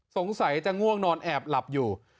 สงสัยจะง่วงนอนแอบหลับอยู่